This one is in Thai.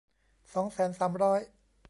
สองแสนสามร้อย